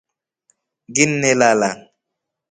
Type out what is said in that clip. Nginnelala.